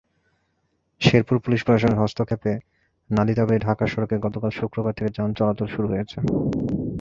Sherpur police প্রশাসনের হস্তক্ষেপে নালিতাবাড়ী-ঢাকা সড়কে গতকাল শুক্রবার থেকে যান চলাচল শুরু হয়েছে।